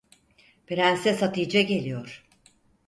Prenses Hatice geliyor.